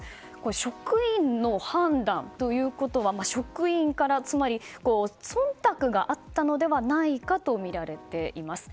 職員の判断ということは職員から、つまり忖度があったのではないかとみられています。